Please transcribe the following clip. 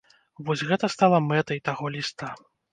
Вось гэта стала мэтай таго ліста.